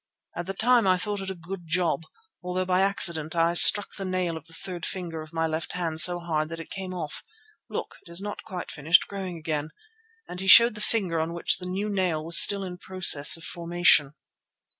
At the time I thought it a good job although by accident I struck the nail of the third finger of my left hand so hard that it came off. Look, it has not quite finished growing again," and he showed the finger on which the new nail was still in process of formation.